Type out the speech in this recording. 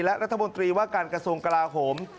และรัฐมนตรีว่าการกระทรวงกลาโหม